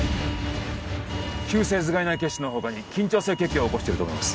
急性頭蓋内血腫のほかに緊張性血胸を起こしてると思います